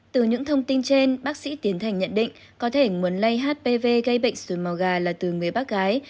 từ những thông tin trên bác sĩ tiến thành nhận định có thể nguồn lây hpv gây bệnh xuồn màu gà là từ người bác gái